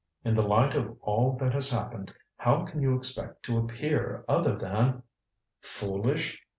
In the light of all that has happened how can you expect to appear other than " "Foolish?